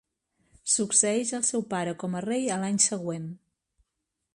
Succeeix al seu pare com a rei a l'any següent.